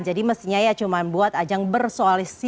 jadi mestinya ya cuma buat ajang bersosialisasi aja